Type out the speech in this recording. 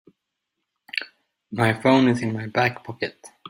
My phone is in my back pocket.